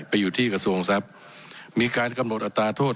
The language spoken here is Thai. อยู่ที่กระทรวงทรัพย์มีการกำหนดอัตราโทษ